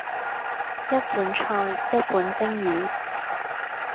一碗菜，一碗蒸魚；